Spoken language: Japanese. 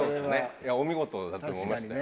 いやお見事だと思いましたよ。